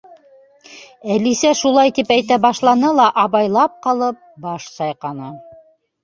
—Әлисә шулай тип әйтә башланы ла, абайлап ҡалып, баш сайҡаны.